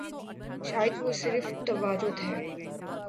شاید وہ صرف توارد ہے۔